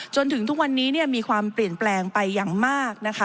จนถึงทุกวันนี้มีความเปลี่ยนแปลงไปอย่างมากนะคะ